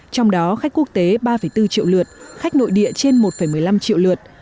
trong đó khách quốc tế ba bốn triệu lượt khách nội địa trên một một mươi năm triệu lượt